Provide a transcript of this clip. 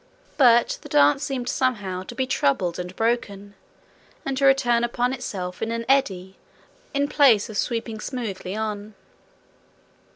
But the dance seemed somehow to be troubled and broken, and to return upon itself in an eddy, in place of sweeping smoothly on.